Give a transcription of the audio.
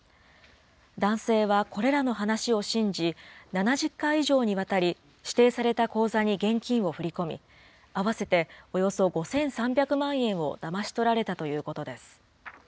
男性はこれらの話を信じ、７０回以上にわたり、指定された口座に現金を振り込み、合わせておよそ５３００万円をだまし取られたということです。